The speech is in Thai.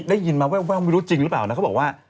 ได้ยินมาว่าวิวรุสจริงหรือเปล่าแล้วเขาบอกว่า